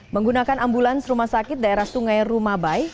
menggunakan ambulans rumah sakit daerah sungai rumabai